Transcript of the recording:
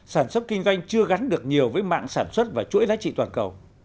sản xuất kinh doanh chưa gắn được nhiều với mạng sản xuất và chuỗi giá trị toàn cầu